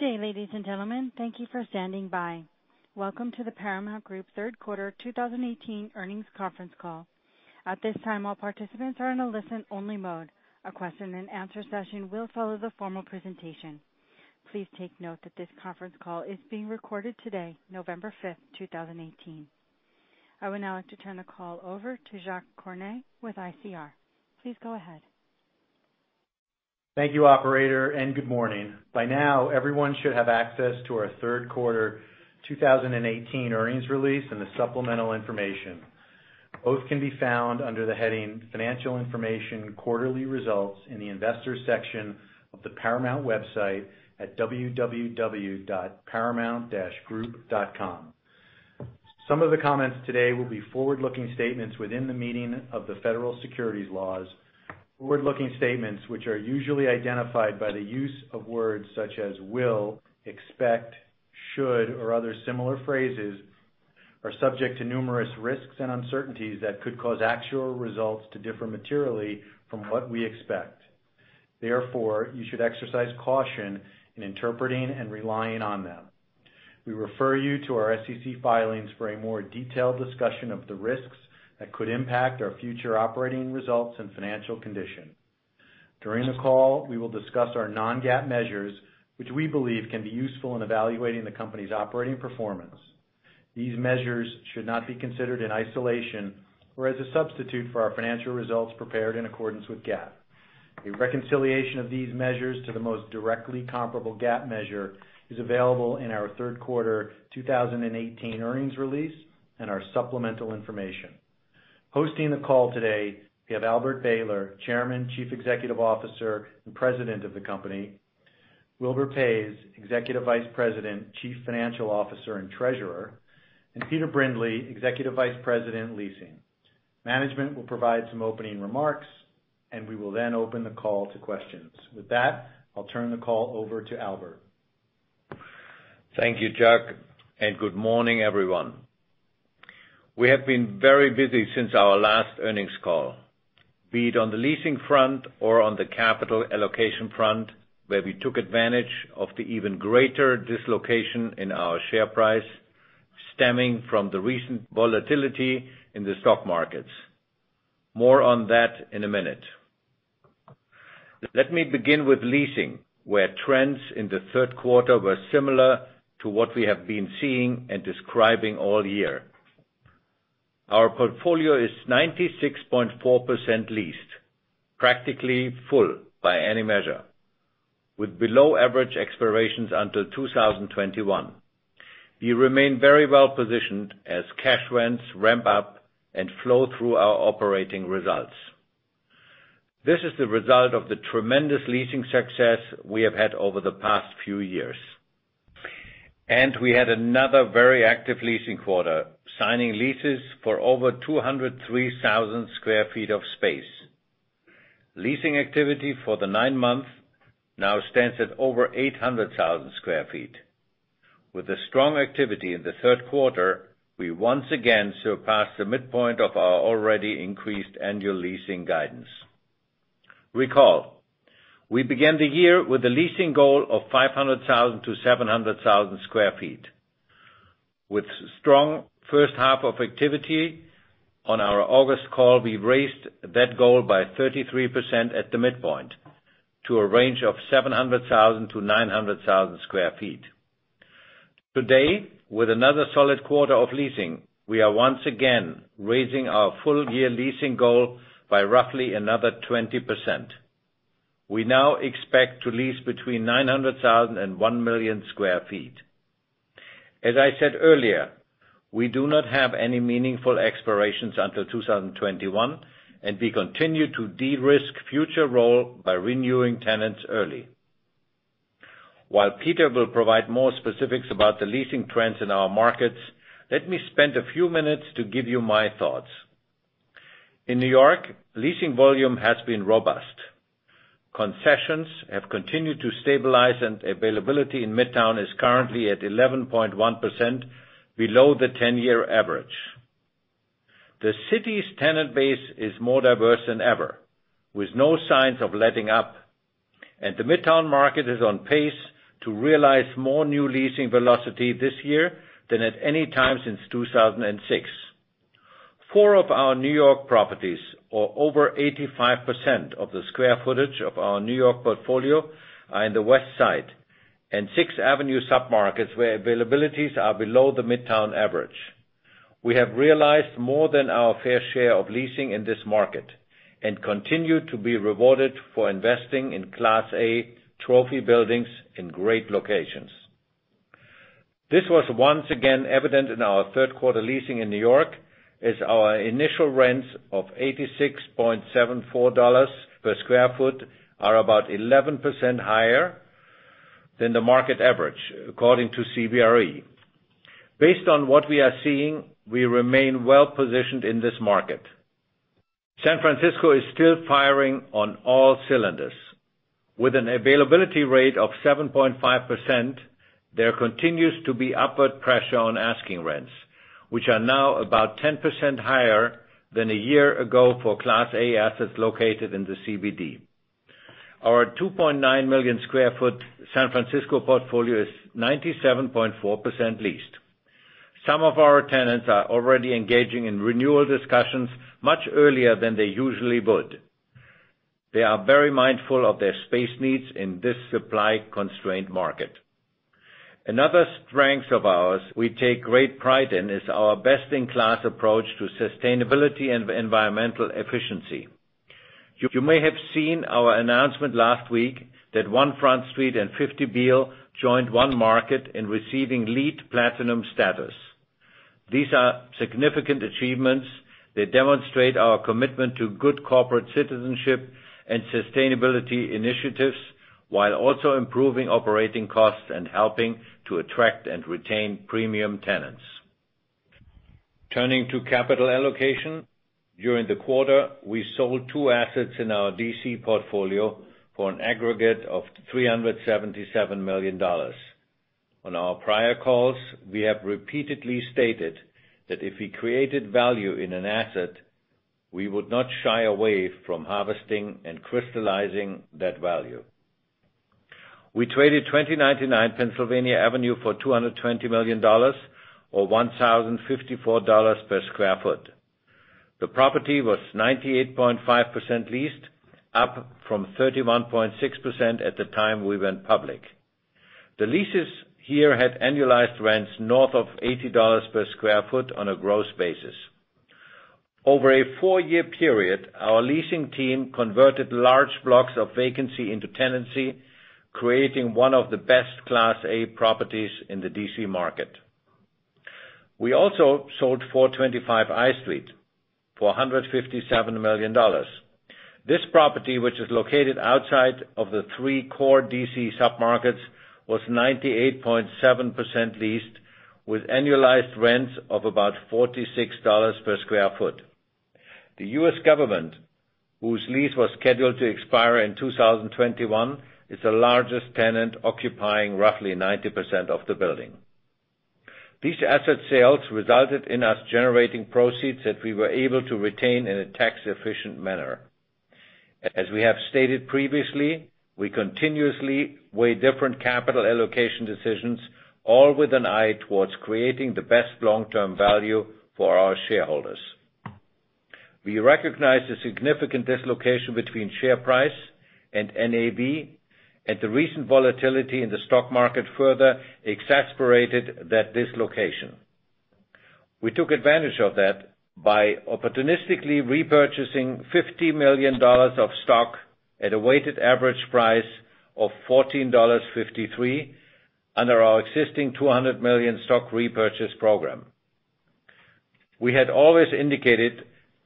Good day, ladies and gentlemen. Welcome to the Paramount Group Third Quarter 2018 earnings conference call. At this time, all participants are in a listen-only mode. A question and answer session will follow the formal presentation. Please take note that this conference call is being recorded today, November 5th, 2018. I would now like to turn the call over to Jacques Cornet with ICR. Please go ahead. Thank you operator, and good morning. By now, everyone should have access to our third quarter 2018 earnings release and the supplemental information. Both can be found under the heading Financial Information Quarterly Results in the investors section of the Paramount Group website at www.paramount-group.com. Some of the comments today will be forward-looking statements within the meaning of the federal securities laws. Forward-looking statements, which are usually identified by the use of words such as will, expect, should, or other similar phrases, are subject to numerous risks and uncertainties that could cause actual results to differ materially from what we expect. Therefore, you should exercise caution in interpreting and relying on them. We refer you to our SEC filings for a more detailed discussion of the risks that could impact our future operating results and financial condition. During the call, we will discuss our non-GAAP measures, which we believe can be useful in evaluating the company's operating performance. These measures should not be considered in isolation or as a substitute for our financial results prepared in accordance with GAAP. A reconciliation of these measures to the most directly comparable GAAP measure is available in our third quarter 2018 earnings release and our supplemental information. Hosting the call today, we have Albert Behler, Chairman, Chief Executive Officer, and President of the company. Wilbur Paes, Executive Vice President, Chief Financial Officer, and Treasurer, and Peter Brindley, Executive Vice President, Leasing. Management will provide some opening remarks, and we will then open the call to questions. With that, I'll turn the call over to Albert. Thank you, Jacques, and good morning, everyone. We have been very busy since our last earnings call, be it on the leasing front or on the capital allocation front, where we took advantage of the even greater dislocation in our share price stemming from the recent volatility in the stock markets. More on that in a minute. Let me begin with leasing, where trends in the third quarter were similar to what we have been seeing and describing all year. Our portfolio is 96.4% leased, practically full by any measure, with below-average expirations until 2021. We remain very well positioned as cash rents ramp up and flow through our operating results. This is the result of the tremendous leasing success we have had over the past few years. We had another very active leasing quarter, signing leases for over 203,000 square feet of space. Leasing activity for the nine months now stands at over 800,000 square feet. With the strong activity in the third quarter, we once again surpassed the midpoint of our already increased annual leasing guidance. Recall, we began the year with a leasing goal of 500,000 to 700,000 square feet. With strong first half of activity on our August call, we raised that goal by 33% at the midpoint to a range of 700,000 to 900,000 square feet. Today, with another solid quarter of leasing, we are once again raising our full-year leasing goal by roughly another 20%. We now expect to lease between 900,000 and 1 million square feet. As I said earlier, we do not have any meaningful expirations until 2021, and we continue to de-risk future role by renewing tenants early. While Peter will provide more specifics about the leasing trends in our markets, let me spend a few minutes to give you my thoughts. In New York, leasing volume has been robust. Concessions have continued to stabilize, and availability in Midtown is currently at 11.1% below the 10-year average. The city's tenant base is more diverse than ever, with no signs of letting up, and the Midtown market is on pace to realize more new leasing velocity this year than at any time since 2006. Four of our New York properties, or over 85% of the square footage of our New York portfolio, are in the West Side, and Sixth Avenue submarkets, where availabilities are below the Midtown average. We have realized more than our fair share of leasing in this market and continue to be rewarded for investing in Class A trophy buildings in great locations. This was once again evident in our third quarter leasing in New York as our initial rents of $86.74 per square foot are about 11% higher than the market average, according to CBRE. Based on what we are seeing, we remain well positioned in this market. San Francisco is still firing on all cylinders with an availability rate of 7.5%. There continues to be upward pressure on asking rents, which are now about 10% higher than a year ago for Class A assets located in the CBD. Our 2.9 million square foot San Francisco portfolio is 97.4% leased. Some of our tenants are already engaging in renewal discussions much earlier than they usually would. They are very mindful of their space needs in this supply-constrained market. Another strength of ours we take great pride in is our best-in-class approach to sustainability and environmental efficiency. You may have seen our announcement last week that One Front Street and 50 Beale joined One Market in receiving LEED platinum status. These are significant achievements that demonstrate our commitment to good corporate citizenship and sustainability initiatives, while also improving operating costs and helping to attract and retain premium tenants. Turning to capital allocation. During the quarter, we sold two assets in our D.C. portfolio for an aggregate of $377 million. On our prior calls, we have repeatedly stated that if we created value in an asset, we would not shy away from harvesting and crystallizing that value. We traded 2099 Pennsylvania Avenue for $220 million, or $1,054 per square foot. The property was 98.5% leased, up from 31.6% at the time we went public. The leases here had annualized rents north of $80 per sq ft on a gross basis. Over a four-year period, our leasing team converted large blocks of vacancy into tenancy, creating one of the best Class A properties in the D.C. market. We also sold 425 I Street for $157 million. This property, which is located outside of the three core D.C. submarkets, was 98.7% leased with annualized rents of about $46 per sq ft. The U.S. government, whose lease was scheduled to expire in 2021, is the largest tenant, occupying roughly 90% of the building. These asset sales resulted in us generating proceeds that we were able to retain in a tax-efficient manner. As we have stated previously, we continuously weigh different capital allocation decisions, all with an eye towards creating the best long-term value for our shareholders. We recognize the significant dislocation between share price and NAV, and the recent volatility in the stock market further exacerbated that dislocation. We took advantage of that by opportunistically repurchasing $50 million of stock at a weighted average price of $14.53 under our existing 200 million stock repurchase program. We had always indicated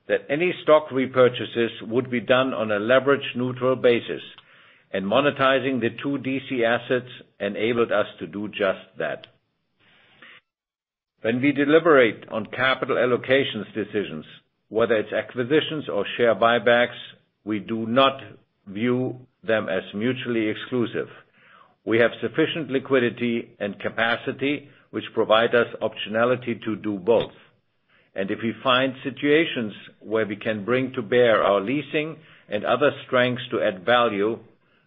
that any stock repurchases would be done on a leverage-neutral basis, and monetizing the two D.C. assets enabled us to do just that. When we deliberate on capital allocations decisions, whether it's acquisitions or share buybacks, we do not view them as mutually exclusive. We have sufficient liquidity and capacity, which provide us optionality to do both. If we find situations where we can bring to bear our leasing and other strengths to add value,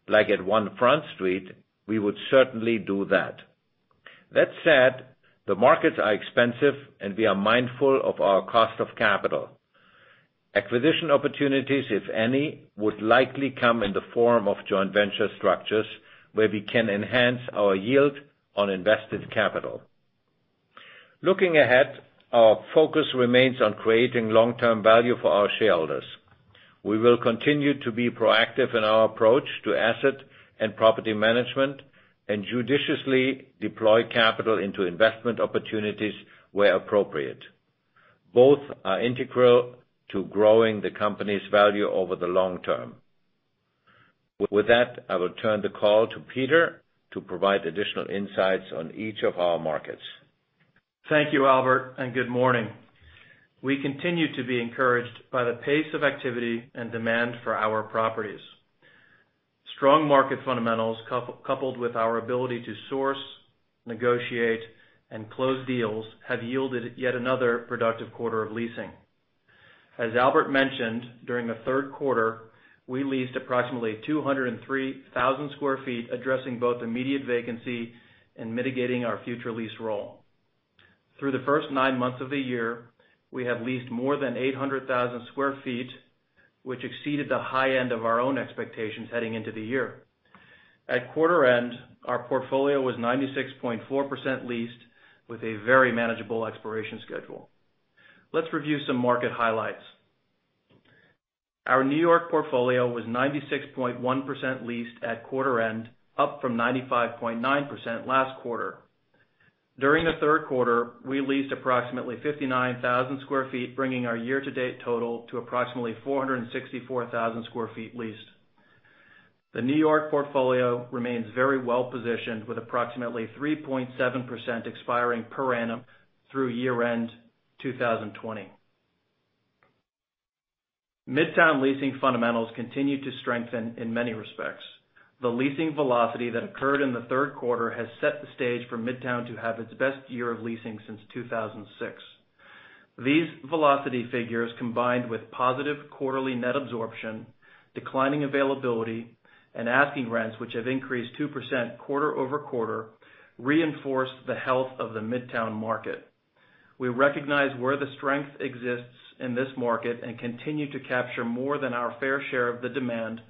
like at One Front Street, we would certainly do that. That said, the markets are expensive, and we are mindful of our cost of capital. Acquisition opportunities, if any, would likely come in the form of joint venture structures where we can enhance our yield on invested capital. Looking ahead, our focus remains on creating long-term value for our shareholders. We will continue to be proactive in our approach to asset and property management and judiciously deploy capital into investment opportunities where appropriate. Both are integral to growing the company's value over the long term. With that, I will turn the call to Peter to provide additional insights on each of our markets. Thank you, Albert, and good morning. We continue to be encouraged by the pace of activity and demand for our properties. Strong market fundamentals coupled with our ability to source, negotiate, and close deals have yielded yet another productive quarter of leasing. As Albert mentioned, during the third quarter, we leased approximately 203,000 sq ft, addressing both immediate vacancy and mitigating our future lease roll. Through the first nine months of the year, we have leased more than 800,000 sq ft, which exceeded the high end of our own expectations heading into the year. At quarter end, our portfolio was 96.4% leased with a very manageable expiration schedule. Let's review some market highlights. Our N.Y. portfolio was 96.1% leased at quarter end, up from 95.9% last quarter. During the third quarter, we leased approximately 59,000 sq ft, bringing our year-to-date total to approximately 464,000 sq ft leased. The New York portfolio remains very well-positioned, with approximately 3.7% expiring per annum through year-end 2020. Midtown leasing fundamentals continue to strengthen in many respects. The leasing velocity that occurred in the third quarter has set the stage for Midtown to have its best year of leasing since 2006. These velocity figures, combined with positive quarterly net absorption, declining availability, and asking rents, which have increased 2% quarter-over-quarter, reinforce the health of the Midtown market. We recognize where the strength exists in this market and continue to capture more than our fair share of the demand,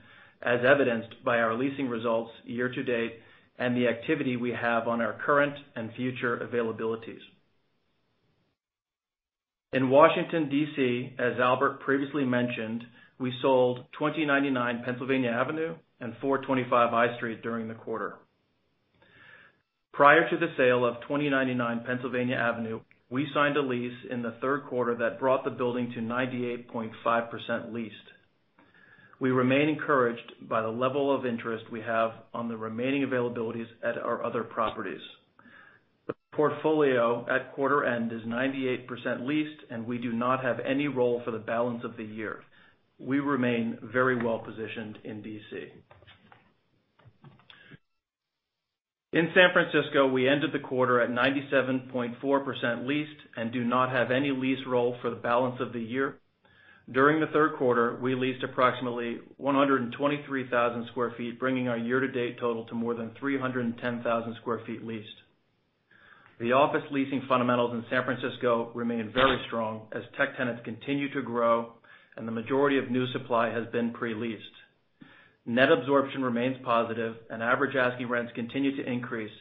as evidenced by our leasing results year to date and the activity we have on our current and future availabilities. In Washington, D.C., as Albert previously mentioned, we sold 2099 Pennsylvania Avenue and 425 I Street during the quarter. Prior to the sale of 2099 Pennsylvania Avenue, we signed a lease in the third quarter that brought the building to 98.5% leased. We remain encouraged by the level of interest we have on the remaining availabilities at our other properties. The portfolio at quarter end is 98% leased, and we do not have any roll for the balance of the year. We remain very well-positioned in D.C. In San Francisco, we ended the quarter at 97.4% leased and do not have any lease roll for the balance of the year. During the third quarter, we leased approximately 123,000 square feet, bringing our year-to-date total to more than 310,000 square feet leased. The office leasing fundamentals in San Francisco remain very strong as tech tenants continue to grow and the majority of new supply has been pre-leased. Net absorption remains positive, and average asking rents continue to increase,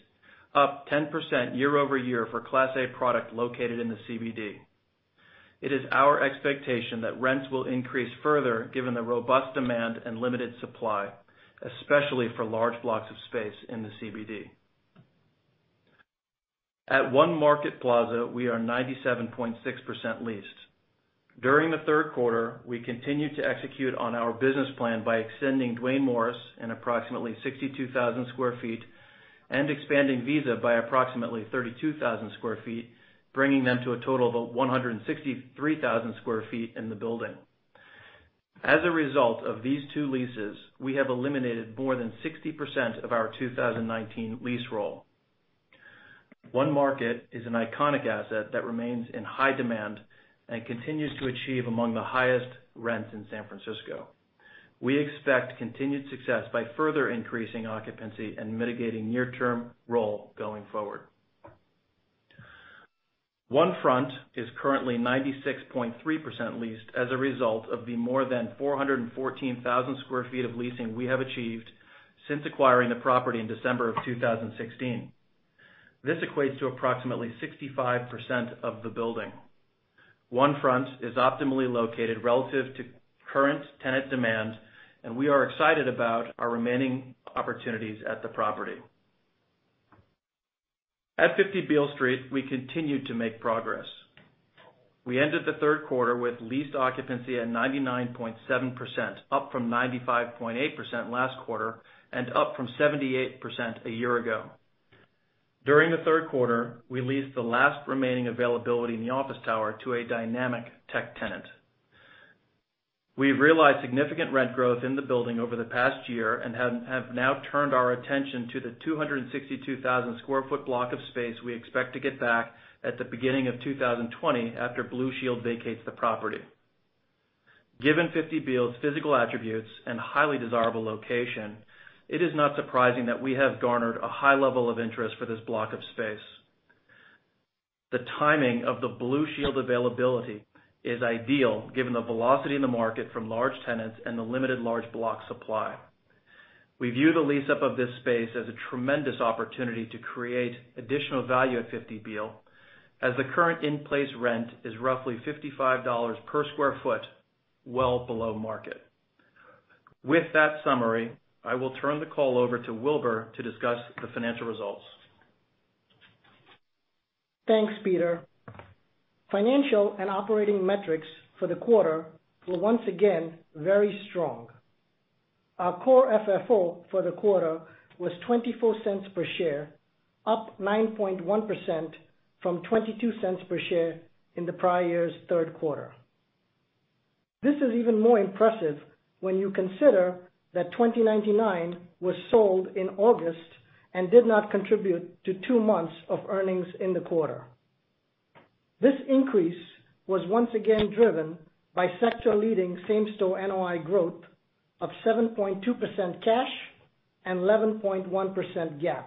up 10% year-over-year for Class A product located in the CBD. It is our expectation that rents will increase further given the robust demand and limited supply, especially for large blocks of space in the CBD. At One Market Plaza, we are 97.6% leased. During the third quarter, we continued to execute on our business plan by extending Duane Morris in approximately 62,000 square feet and expanding Visa by approximately 32,000 square feet, bringing them to a total of 163,000 square feet in the building. As a result of these two leases, we have eliminated more than 60% of our 2019 lease roll. One Market is an iconic asset that remains in high demand and continues to achieve among the highest rents in San Francisco. We expect continued success by further increasing occupancy and mitigating near-term roll going forward. One Front is currently 96.3% leased as a result of the more than 414,000 square feet of leasing we have achieved since acquiring the property in December of 2016. This equates to approximately 65% of the building. One Front is optimally located relative to current tenant demand, and we are excited about our remaining opportunities at the property. At 50 Beale Street, we continued to make progress. We ended the third quarter with leased occupancy at 99.7%, up from 95.8% last quarter, and up from 78% a year ago. During the third quarter, we leased the last remaining availability in the office tower to a dynamic tech tenant. We've realized significant rent growth in the building over the past year and have now turned our attention to the 262,000 sq ft block of space we expect to get back at the beginning of 2020 after Blue Shield vacates the property. Given 50 Beale's physical attributes and highly desirable location, it is not surprising that we have garnered a high level of interest for this block of space. The timing of the Blue Shield availability is ideal given the velocity in the market from large tenants and the limited large block supply. We view the lease-up of this space as a tremendous opportunity to create additional value at 50 Beale, as the current in-place rent is roughly $55 per square foot, well below market. With that summary, I will turn the call over to Wilbur to discuss the financial results. Thanks, Peter. Financial and operating metrics for the quarter were once again very strong. Our Core FFO for the quarter was $0.24 per share, up 9.1% from $0.22 per share in the prior year's third quarter. This is even more impressive when you consider that 2099 was sold in August and did not contribute to two months of earnings in the quarter. This increase was once again driven by sector-leading same-store NOI growth of 7.2% cash and 11.1% GAAP.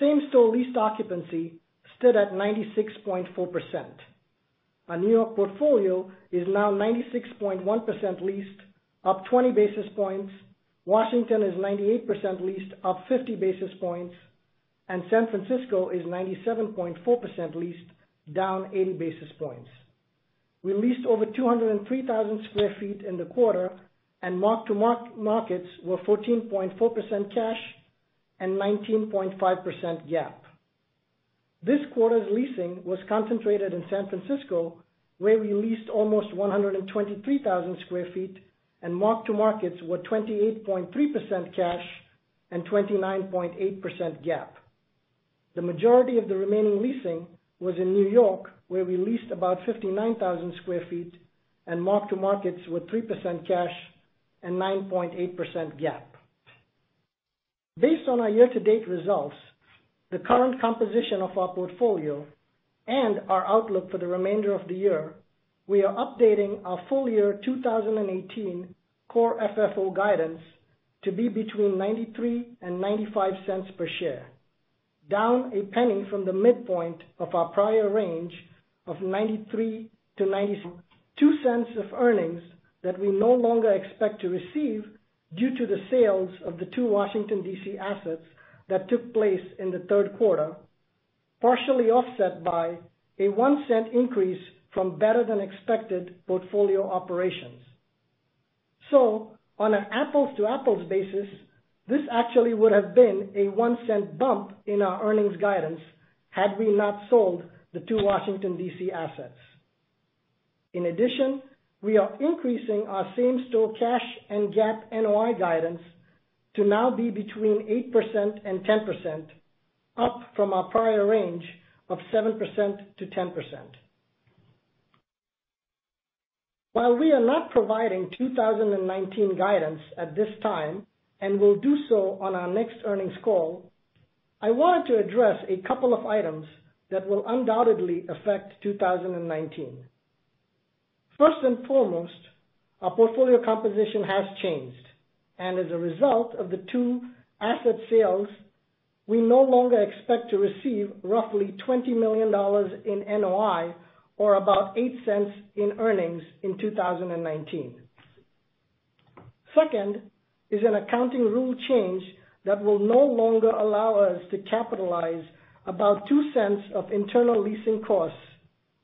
Same-store leased occupancy stood at 96.4%. Our New York portfolio is now 96.1% leased, up 20 basis points. Washington is 98% leased, up 50 basis points. San Francisco is 97.4% leased, down 80 basis points. We leased over 203,000 sq ft in the quarter, and mark-to-markets were 14.4% cash and 19.5% GAAP. This quarter's leasing was concentrated in San Francisco, where we leased almost 123,000 sq ft, and mark-to-markets were 28.3% cash and 29.8% GAAP. The majority of the remaining leasing was in New York, where we leased about 59,000 sq ft and mark-to-markets with 3% cash and 9.8% GAAP. Based on our year-to-date results, the current composition of our portfolio, and our outlook for the remainder of the year, we are updating our full-year 2018 Core FFO guidance to be between $0.93 and $0.95 per share, down $0.01 from the midpoint of our prior range of $0.93 to $0.97 of earnings that we no longer expect to receive due to the sales of the two Washington, D.C. assets that took place in the third quarter, partially offset by a $0.01 increase from better-than-expected portfolio operations. On an apples-to-apples basis, this actually would have been a $0.01 bump in our earnings guidance had we not sold the two Washington, D.C. assets. In addition, we are increasing our same-store cash and GAAP NOI guidance to now be between 8% and 10%, up from our prior range of 7% to 10%. While we are not providing 2019 guidance at this time, and will do so on our next earnings call, I wanted to address a couple of items that will undoubtedly affect 2019. First and foremost, our portfolio composition has changed, and as a result of the two asset sales, we no longer expect to receive roughly $20 million in NOI or about $0.08 in earnings in 2019. Second is an accounting rule change that will no longer allow us to capitalize about $0.02 of internal leasing costs,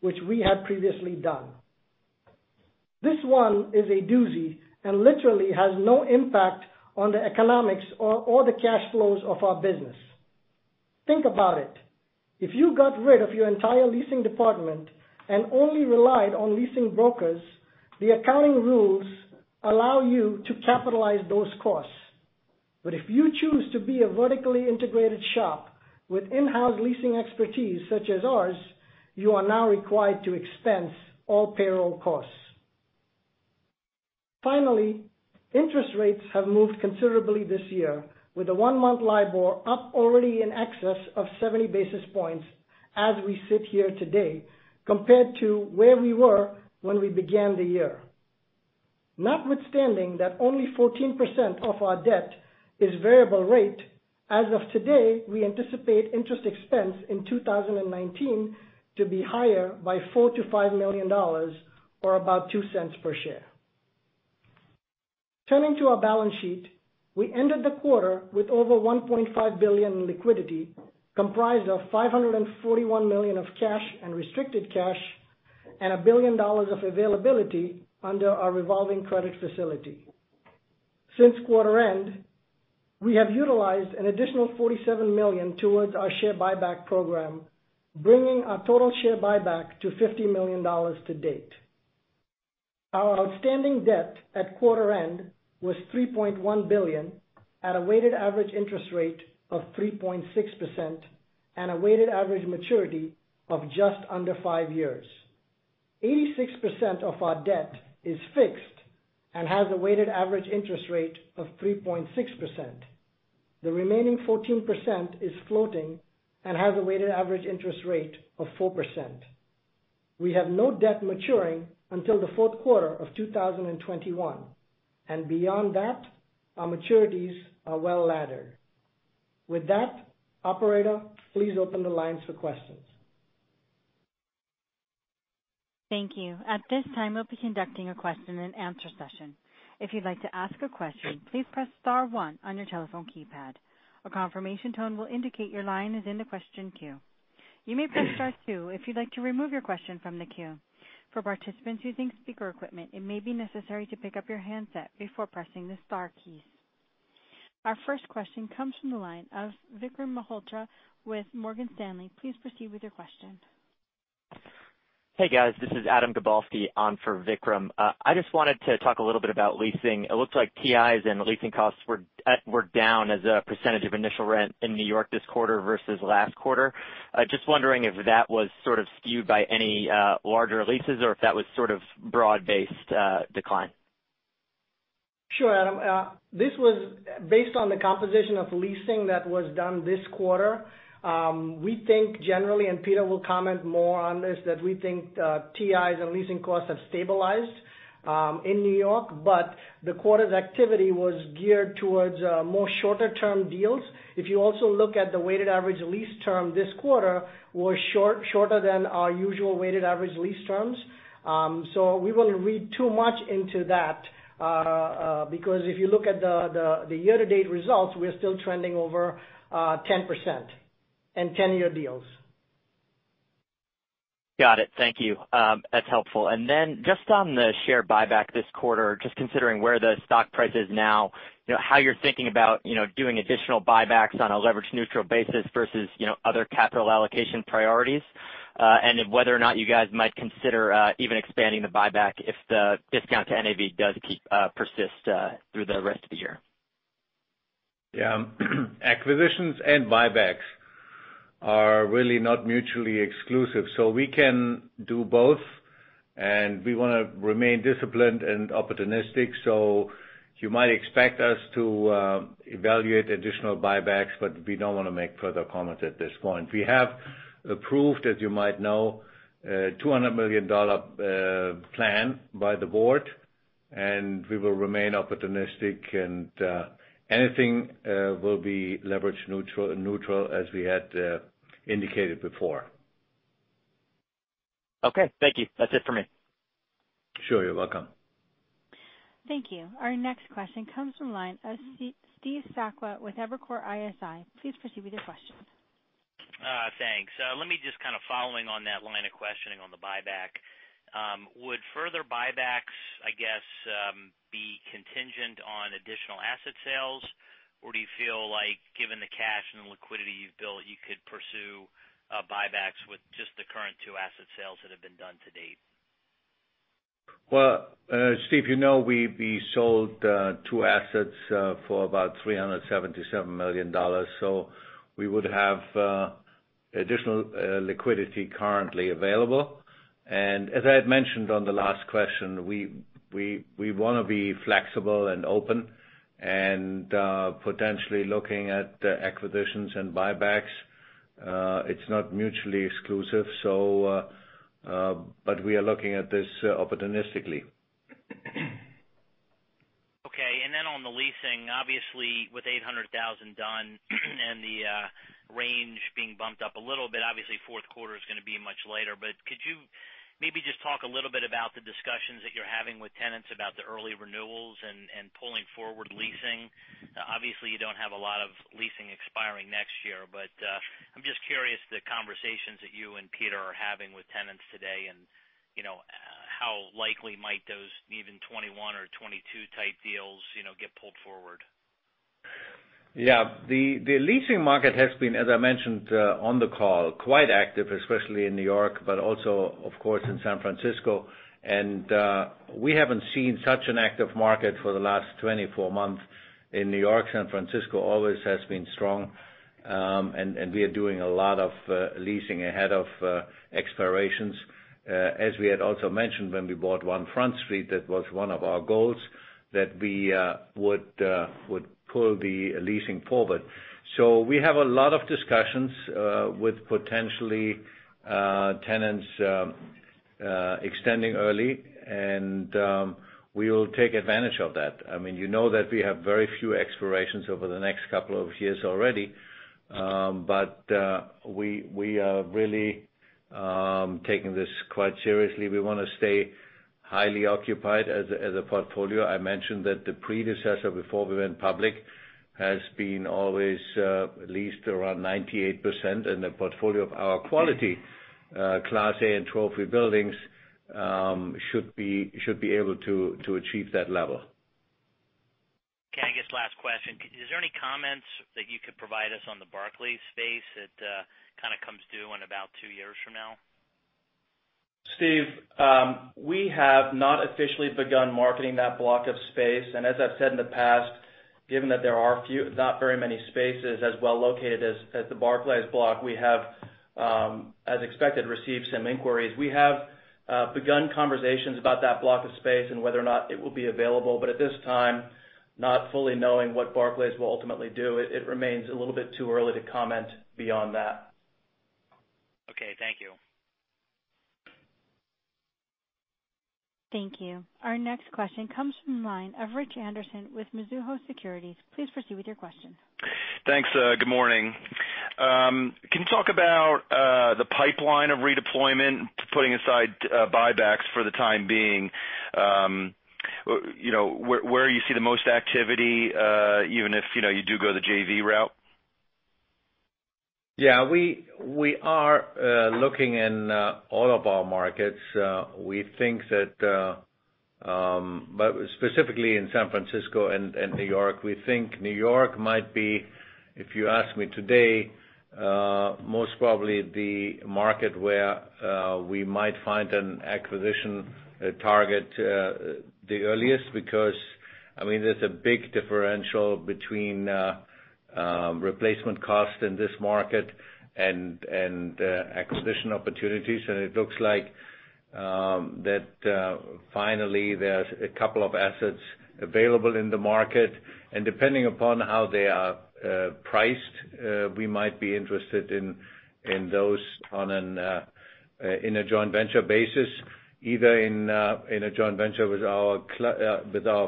which we had previously done. This one is a doozy and literally has no impact on the economics or the cash flows of our business. Think about it. If you got rid of your entire leasing department and only relied on leasing brokers, the accounting rules allow you to capitalize those costs. If you choose to be a vertically integrated shop with in-house leasing expertise such as ours, you are now required to expense all payroll costs. Finally, interest rates have moved considerably this year with the one-month LIBOR up already in excess of 70 basis points as we sit here today compared to where we were when we began the year. Notwithstanding that only 14% of our debt is variable rate, as of today, we anticipate interest expense in 2019 to be higher by $4 million-$5 million or about $0.02 per share. Turning to our balance sheet, we ended the quarter with over $1.5 billion in liquidity, comprised of $541 million of cash and restricted cash and $1 billion of availability under our revolving credit facility. Since quarter end, we have utilized an additional $47 million towards our share buyback program, bringing our total share buyback to $50 million to date. Our outstanding debt at quarter end was $3.1 billion at a weighted average interest rate of 3.6% and a weighted average maturity of just under five years. 86% of our debt is fixed and has a weighted average interest rate of 3.6%. The remaining 14% is floating and has a weighted average interest rate of 4%. We have no debt maturing until the fourth quarter of 2021, and beyond that, our maturities are well-laddered. With that, operator, please open the lines for questions. Thank you. At this time, we'll be conducting a question and answer session. If you'd like to ask a question, please press star one on your telephone keypad. A confirmation tone will indicate your line is in the question queue. You may press star two if you'd like to remove your question from the queue. For participants using speaker equipment, it may be necessary to pick up your handset before pressing the star keys. Our first question comes from the line of Vikram Malhotra with Morgan Stanley. Please proceed with your question. Hey, guys. This is Adam Gabalski on for Vikram. I just wanted to talk a little bit about leasing. It looks like TIs and leasing costs were down as a percentage of initial rent in New York this quarter versus last quarter. Just wondering if that was sort of skewed by any larger leases or if that was sort of broad-based decline. Sure, Adam. This was based on the composition of leasing that was done this quarter. We think generally, and Peter will comment more on this, that we think TIs and leasing costs have stabilized in New York. The quarter's activity was geared towards more shorter-term deals. If you also look at the weighted average lease term this quarter was shorter than our usual weighted average lease terms. We wouldn't read too much into that. If you look at the year-to-date results, we are still trending over 10% and 10-year deals. Got it. Thank you. That's helpful. Then just on the share buyback this quarter, just considering where the stock price is now, how you're thinking about doing additional buybacks on a leverage-neutral basis versus other capital allocation priorities. If whether or not you guys might consider even expanding the buyback if the discount to NAV does persist through the rest of the year. Yeah. Acquisitions and buybacks are really not mutually exclusive. We can do both, and we want to remain disciplined and opportunistic. You might expect us to evaluate additional buybacks, but we don't want to make further comments at this point. We have approved, as you might know, a $200 million plan by the Board, and we will remain opportunistic, and anything will be leverage neutral as we had indicated before. Okay, thank you. That's it for me. Sure. You're welcome. Thank you. Our next question comes from line of Steve Sakwa with Evercore ISI. Please proceed with your question. Thanks. Let me just kind of following on that line of questioning on the buyback. Would further buybacks, I guess, be contingent on additional asset sales, or do you feel like given the cash and the liquidity you've built, you could pursue buybacks with just the current two asset sales that have been done to date? Well, Steve, you know, we sold two assets for about $377 million. We would have additional liquidity currently available. As I had mentioned on the last question, we want to be flexible and open and potentially looking at acquisitions and buybacks. It's not mutually exclusive. We are looking at this opportunistically. Okay. On the leasing, obviously, with 800,000 done and the range being bumped up a little bit, obviously fourth quarter is going to be much later, but could you maybe just talk a little bit about the discussions that you're having with tenants about the early renewals and pulling forward leasing? Obviously, you don't have a lot of leasing expiring next year, but, I'm just curious, the conversations that you and Peter are having with tenants today and how likely might those even 21 or 22 type deals get pulled forward. Yeah. The leasing market has been, as I mentioned on the call, quite active, especially in New York, but also, of course, in San Francisco. We haven't seen such an active market for the last 24 months in New York. San Francisco always has been strong. We are doing a lot of leasing ahead of expirations. As we had also mentioned when we bought One Front Street, that was one of our goals that we would pull the leasing forward. We have a lot of discussions with potentially tenants extending early, and we will take advantage of that. You know that we have very few expirations over the next couple of years already. We are really taking this quite seriously. We want to stay highly occupied as a portfolio. I mentioned that the predecessor before we went public has been always leased around 98%. The portfolio of our quality Class A and trophy buildings should be able to achieve that level. Okay, I guess last question. Is there any comments that you could provide us on the Barclays space that kind of comes due in about two years from now? Steve, we have not officially begun marketing that block of space. As I've said in the past, given that there are not very many spaces as well located as the Barclays block, we have, as expected, received some inquiries. We have begun conversations about that block of space and whether or not it will be available. At this time, not fully knowing what Barclays will ultimately do, it remains a little bit too early to comment beyond that. Okay. Thank you. Thank you. Our next question comes from line of Rich Anderson with Mizuho Securities. Please proceed with your question. Thanks. Good morning. Can you talk about the pipeline of redeployment, putting aside buybacks for the time being, where you see the most activity, even if you do go the JV route? Yeah. We are looking in all of our markets. Specifically in San Francisco and New York. We think New York might be, if you ask me today, most probably the market where we might find an acquisition target the earliest because, there's a big differential between replacement cost in this market and acquisition opportunities. It looks like that finally there's a couple of assets available in the market, and depending upon how they are priced, we might be interested in those in a joint venture basis, either in a joint venture with our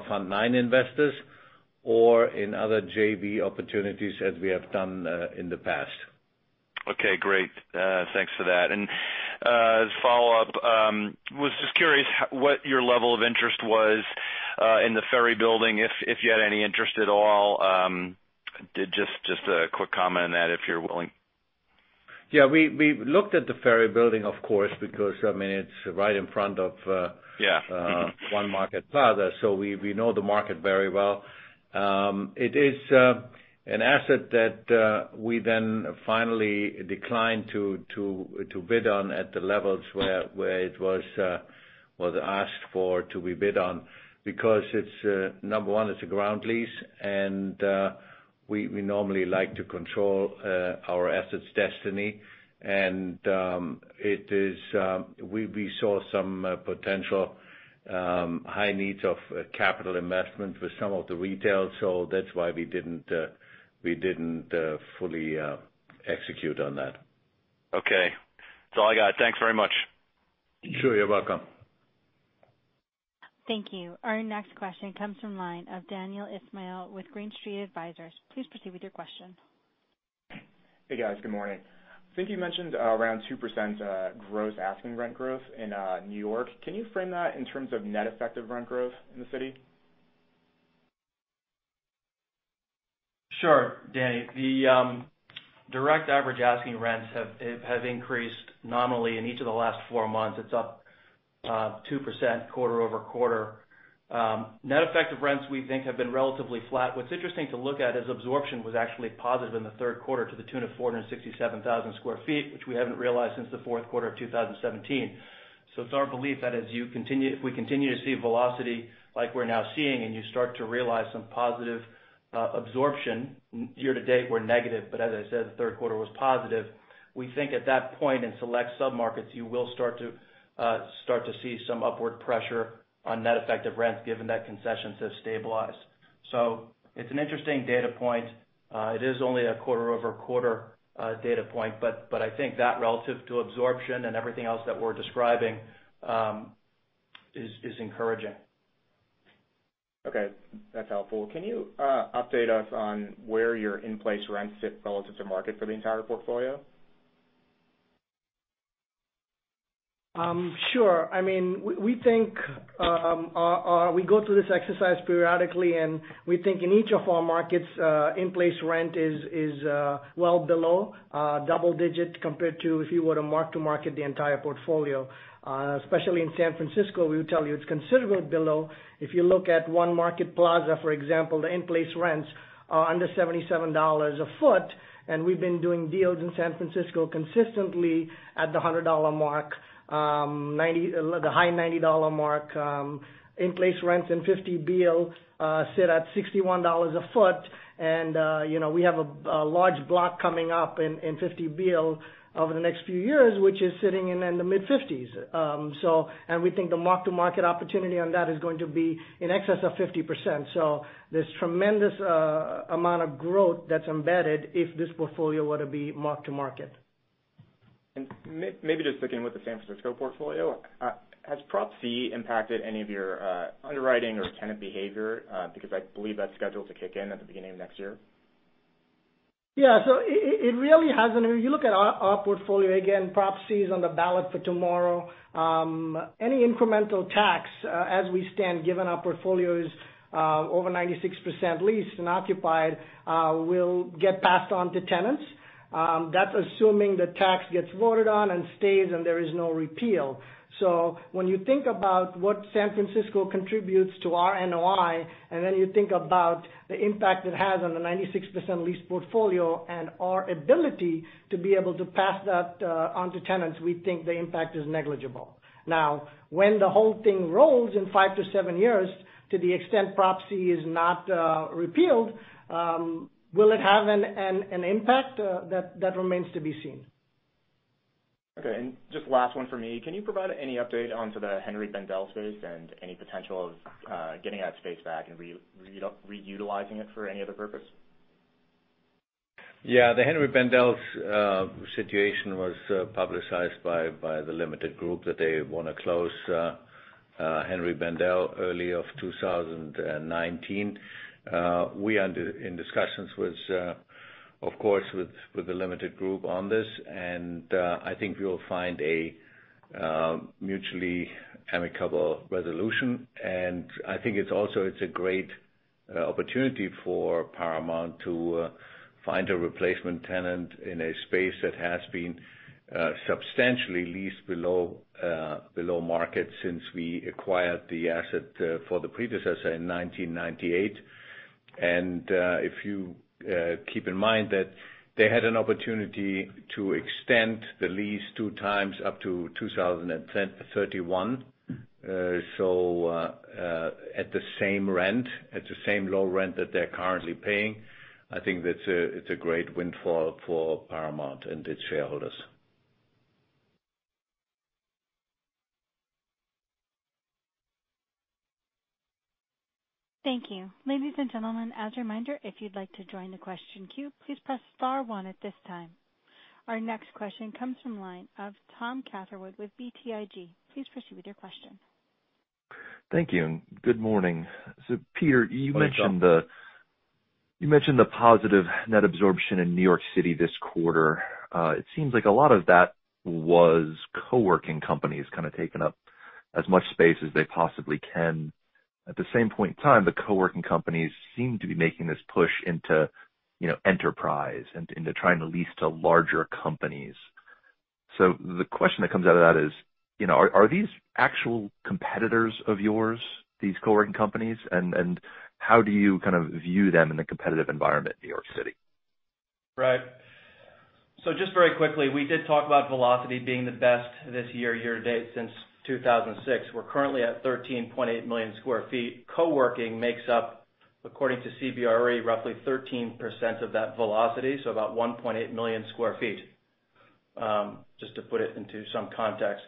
Fund IX investors or in other JV opportunities as we have done in the past. Okay, great. Thanks for that. As follow-up, was just curious what your level of interest was in the Ferry Building, if you had any interest at all. Just a quick comment on that if you're willing. Yeah, we looked at the Ferry Building, of course, because it's right in front of- Yeah. One Market Plaza. We know the market very well. It is an asset that we then finally declined to bid on at the levels where it was asked for to be bid on, because number 1, it's a ground lease, and we normally like to control our asset's destiny. We saw some potential high needs of capital investment with some of the retail. That's why we didn't fully execute on that. Okay. That's all I got. Thanks very much. Sure. You're welcome. Thank you. Our next question comes from the line of Daniel Ismail with Green Street Advisors. Please proceed with your question. Hey, guys. Good morning. I think you mentioned around 2% gross asking rent growth in New York. Can you frame that in terms of net effective rent growth in the city? Sure, Danny. The direct average asking rents have increased nominally in each of the last four months. It's up 2% quarter-over-quarter. Net effective rents, we think, have been relatively flat. What's interesting to look at is absorption was actually positive in the third quarter to the tune of 467,000 sq ft, which we haven't realized since the fourth quarter of 2017. It's our belief that if we continue to see velocity like we're now seeing, and you start to realize some positive absorption. Year to date, we're negative, but as I said, the third quarter was positive. We think at that point, in select sub-markets, you will start to see some upward pressure on net effective rents given that concessions have stabilized. It's an interesting data point. It is only a quarter-over-quarter data point, I think that relative to absorption and everything else that we're describing, is encouraging. Okay. That's helpful. Can you update us on where your in-place rents sit relative to market for the entire portfolio? Sure. We go through this exercise periodically, we think in each of our markets, in-place rent is well below double-digit compared to if you were to mark-to-market the entire portfolio. Especially in San Francisco, we would tell you it's considerably below. If you look at One Market Plaza, for example, the in-place rents are under $77 a foot. We've been doing deals in San Francisco consistently at the $100 mark, the high $90 mark. In-place rents in 50 Beale sit at $61 a foot. We have a large block coming up in 50 Beale over the next few years, which is sitting in the mid-50s. We think the mark-to-market opportunity on that is going to be in excess of 50%. There's tremendous amount of growth that's embedded if this portfolio were to be mark-to-market. Maybe just sticking with the San Francisco portfolio, has Proposition C impacted any of your underwriting or tenant behavior? I believe that's scheduled to kick in at the beginning of next year. Yeah. It really hasn't. If you look at our portfolio, again, Proposition C is on the ballot for tomorrow. Any incremental tax, as we stand, given our portfolio is over 96% leased and occupied, will get passed on to tenants. That's assuming the tax gets voted on and stays, and there is no repeal. When you think about what San Francisco contributes to our NOI, then you think about the impact it has on the 96% leased portfolio and our ability to be able to pass that on to tenants, we think the impact is negligible. Now, when the whole thing rolls in five to seven years, to the extent Proposition C is not repealed, will it have an impact? That remains to be seen. Okay. Just last one from me. Can you provide any update on to the Henri Bendel space and any potential of getting that space back and reutilizing it for any other purpose? Yeah. The Henri Bendel situation was publicized by L Brands that they want to close Henri Bendel early of 2019. We are in discussions, of course, with L Brands on this, I think we will find a mutually amicable resolution. I think it's also a great opportunity for Paramount to find a replacement tenant in a space that has been substantially leased below market since we acquired the asset for the predecessor in 1998. If you keep in mind that they had an opportunity to extend the lease two times up to 2031, at the same low rent that they're currently paying. I think it's a great windfall for Paramount and its shareholders. Thank you. Ladies and gentlemen, as a reminder, if you'd like to join the question queue, please press star one at this time. Our next question comes from line of Thomas Catherwood with BTIG. Please proceed with your question. Thank you. Good morning. Peter- Hi, Tom You mentioned the positive net absorption in New York City this quarter. It seems like a lot of that was co-working companies kind of taking up as much space as they possibly can. At the same point in time, the co-working companies seem to be making this push into enterprise and into trying to lease to larger companies. The question that comes out of that is, are these actual competitors of yours, these co-working companies, and how do you view them in the competitive environment in New York City? Right. Just very quickly, we did talk about velocity being the best this year to date since 2006. We're currently at 13.8 million square feet. Co-working makes up, according to CBRE, roughly 13% of that velocity, so about 1.8 million square feet, just to put it into some context.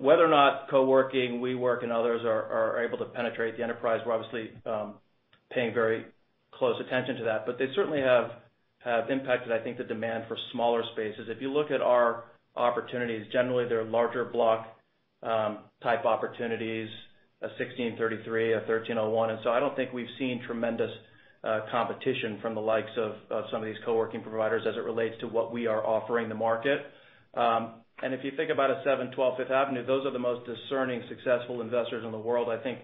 Whether or not co-working, WeWork and others are able to penetrate the enterprise, we're obviously paying very close attention to that, but they certainly have impacted, I think, the demand for smaller spaces. If you look at our opportunities, generally, they're larger block-type opportunities, a 1633, a 1301, and so I don't think we've seen tremendous competition from the likes of some of these co-working providers as it relates to what we are offering the market. If you think about a 712 Fifth Avenue, those are the most discerning, successful investors in the world. I think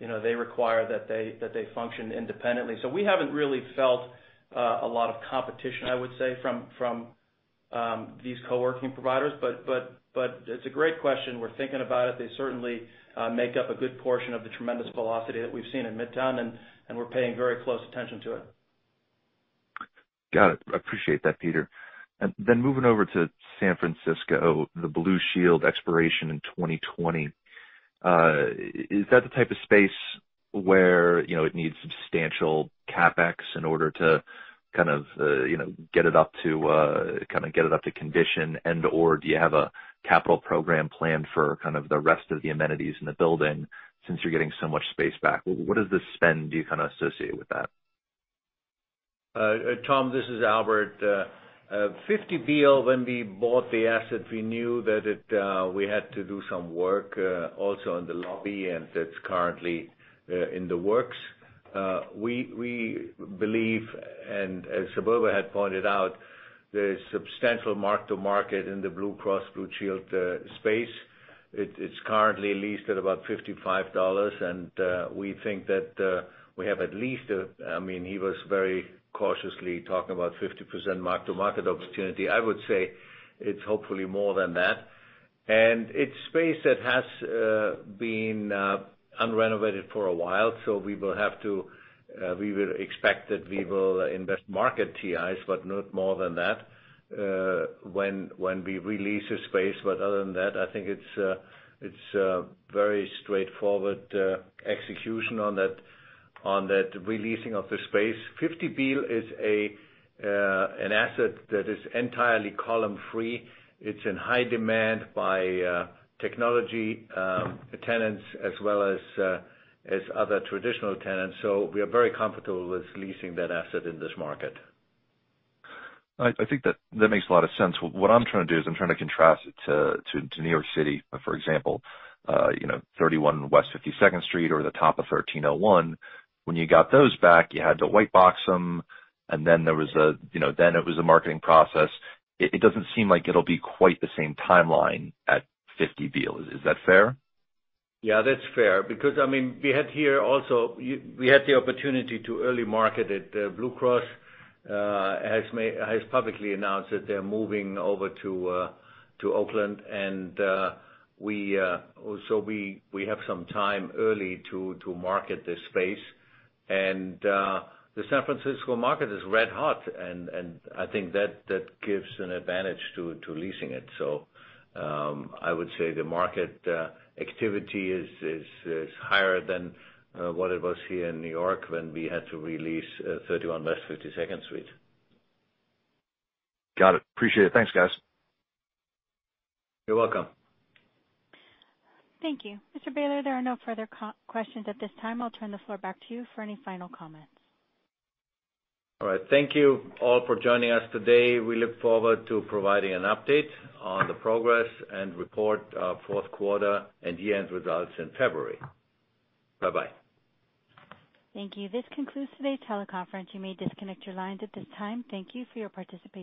they require that they function independently. We haven't really felt a lot of competition, I would say, from these co-working providers. It's a great question. We're thinking about it. They certainly make up a good portion of the tremendous velocity that we've seen in Midtown, and we're paying very close attention to it. Got it. I appreciate that, Peter. Moving over to San Francisco, the Blue Shield expiration in 2020. Is that the type of space where it needs substantial CapEx in order to get it up to condition, and/or do you have a capital program planned for the rest of the amenities in the building since you're getting so much space back? What is the spend do you associate with that? Tom, this is Albert. 50 Beale, when we bought the asset, we knew that we had to do some work also on the lobby, and that's currently in the works. We believe, and as Wilbur had pointed out, there's substantial mark-to-market in the Blue Cross Blue Shield space. It's currently leased at about $55, and we think that we have at least, he was very cautiously talking about 50% mark-to-market opportunity. I would say it's hopefully more than that. It's space that has been unrenovated for a while, so we will expect that we will invest market TIs, but not more than that when we re-lease the space. Other than that, I think it's very straightforward execution on that re-leasing of the space. 50 Beale is an asset that is entirely column-free. It's in high demand by technology tenants as well as other traditional tenants. We are very comfortable with leasing that asset in this market. I think that makes a lot of sense. What I'm trying to do is I'm trying to contrast it to New York City, for example, 31 West 52nd Street or the top of 1301. When you got those back, you had to white box them, and then it was a marketing process. It doesn't seem like it'll be quite the same timeline at 50 Beale. Is that fair? Yeah, that's fair because we had the opportunity to early-market it. Blue Cross has publicly announced that they're moving over to Oakland. We have some time early to market this space. The San Francisco market is red hot, and I think that gives an advantage to leasing it. I would say the market activity is higher than what it was here in New York when we had to re-lease 31 West 52nd Street. Got it. Appreciate it. Thanks, guys. You're welcome. Thank you. Mr. Behler, there are no further questions at this time. I'll turn the floor back to you for any final comments. All right. Thank you all for joining us today. We look forward to providing an update on the progress and report our fourth quarter and year-end results in February. Bye-bye. Thank you. This concludes today's teleconference. You may disconnect your lines at this time. Thank you for your participation.